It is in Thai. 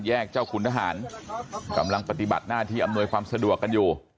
เจ้าคุณทหารกำลังปฏิบัติหน้าที่อำนวยความสะดวกกันอยู่